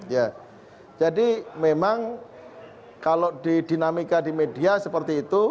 ya jadi memang kalau di dinamika di media seperti itu